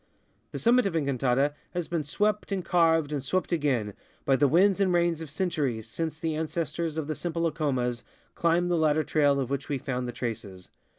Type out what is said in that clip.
The summit of Encantada has been swept and carved and swept again by the winds and rains of centuries since the ances tors of the simple Acomas climbed the ladder trail of which we found the traces.